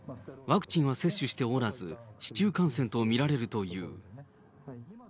ワクチンは接種しておらず、市中感染と見られるという。